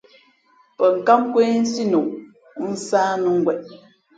Pαnkǎm nkwésí noʼ, nsāh nʉ̌ ngweʼ.